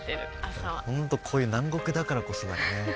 ホントこういう南国だからこそだよね。